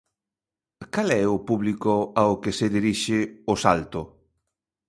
Cal é o público ao que se dirixe o Salto?